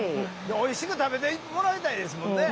おいしく食べてもらいたいですもんね。